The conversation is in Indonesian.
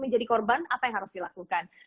menjadi korban apa yang harus dilakukan